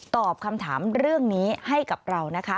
ตอบคำถามเรื่องนี้ให้กับเรานะคะ